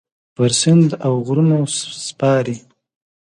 پر سیند اوغرونو سپارې